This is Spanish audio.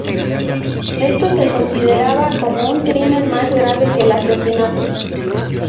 Esto se consideraba como un crimen más grave que el asesinato.